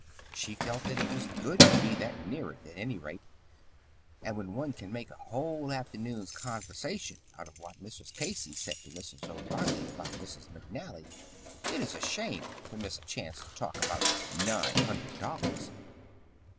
She felt that it was good to be that near it, at any rate, and when one can make a whole afternoon's conversation out of what Mrs. Casey said to Mrs. O'Reilly about Mrs. McNally, it is a shame to miss a chance to talk about nine hundred dollars.